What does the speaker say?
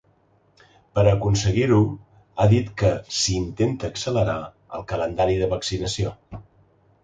Per aconseguir-ho, ha dit que “s’intenta accelerar” el calendari de vaccinació.